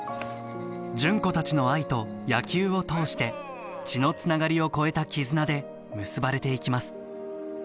純子たちの愛と野球を通して血のつながりを超えた絆で結ばれていきます。